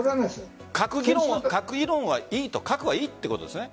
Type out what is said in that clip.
核議論はいいと核は良いということですね？